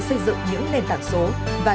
xây dựng những nền tảng số và